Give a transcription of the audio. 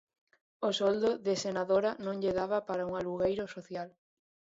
O soldo de senadora non lle daba para un alugueiro social.